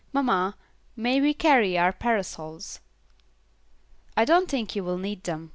Mamma, may we carry our parasols?" "I don't think you will need them.